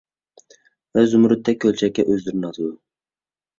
ۋە زۇمرەتتەك كۆلچەككە ئۆزلىرىنى ئاتىدۇ.